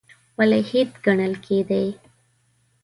ولیعهد ګڼل کېدی.